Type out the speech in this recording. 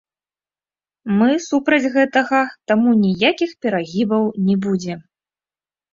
Мы супраць гэтага, таму ніякіх перагібаў не будзе.